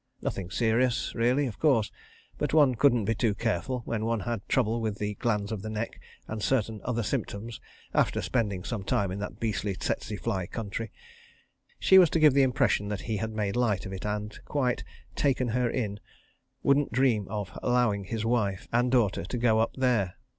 Nothing serious, really, of course—but one couldn't be too careful when one had trouble with the glands of the neck, and certain other symptoms, after spending some time in that beastly tsetse fly country. ... She was to give the impression that he had made light of it, and quite "taken her in"—wouldn't dream of allowing his wife and daughter to go up there.